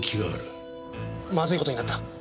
まずいことになった。